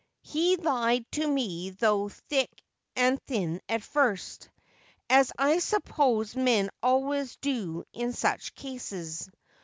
He lied to me through thick and thin at first, as I suppose men always do in such cases.